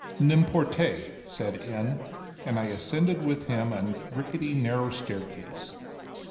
"N'importe," said N., and I ascended with him a rickety, narrow staircase.